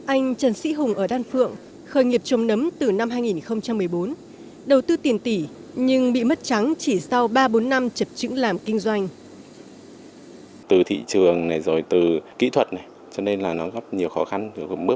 anh trần sĩ hùng ở đan phượng khởi nghiệp trồng nấm từ năm hai nghìn một mươi bốn đầu tư tiền tỷ nhưng bị mất trắng chỉ sau ba bốn năm